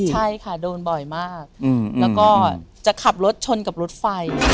ใช่ค่ะโดนบ่อยมากแล้วก็จะขับรถชนกับรถไฟ